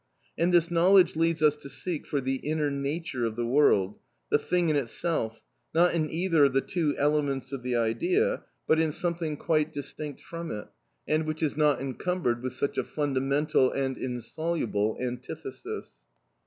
And this knowledge leads us to seek for the inner nature of the world, the thing in itself, not in either of the two elements of the idea, but in something quite distinct from it, and which is not encumbered with such a fundamental and insoluble antithesis.